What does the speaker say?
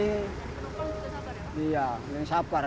nongkrong sudah sabar ya